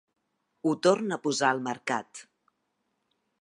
Ho torn a posar al mercat.